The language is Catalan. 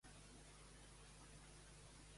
Com puc arribar a peu l'oficina de la meva germana?